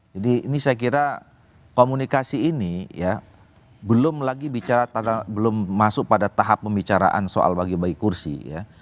jadi ini saya kira komunikasi ini ya belum lagi bicara belum masuk pada tahap pembicaraan soal bagi bagi kursi ya